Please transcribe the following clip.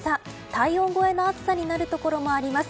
体温超えの暑さになるところもあります。